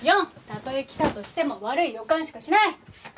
４たとえ来たとしても悪い予感しかしない。